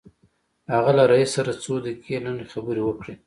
هغه له رئيس سره څو دقيقې لنډې خبرې وکړې.